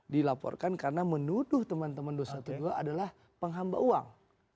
dilaporkan karena menuduh teman teman dua ratus dua belas adalah penghamba uang